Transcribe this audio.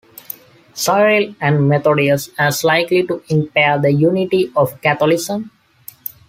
Cyril and Methodius, as likely to impair the unity of Catholicism.